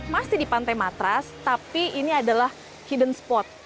masih di pantai matras tapi ini adalah hidden spot